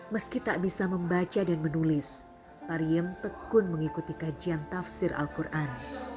meski tak bisa membaca dan menulis pariem tekun mengikuti kajian tafsir al quran